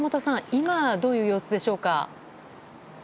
今どういう様子でしょうか。